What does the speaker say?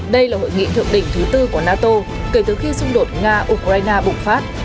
đây là hội nghị thượng đỉnh thứ tư của nato kể từ khi xung đột nga ukraine bùng phát